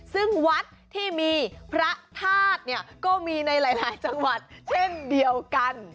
ซึ่งวัดที่มีพระธาตุเนี่ยก็มีในหลายจังหวัดเช่นเดียวกัน